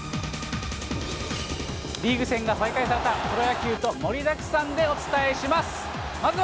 リーグ戦が再開されたプロ野球と盛りだくさんでお伝えします。